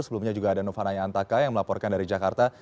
sebelumnya juga ada novanaya antaka yang melaporkan dari jakarta